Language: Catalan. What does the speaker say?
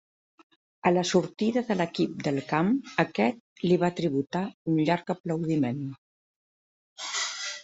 A la sortida de l'equip del camp, aquest li va tributar un llarg aplaudiment.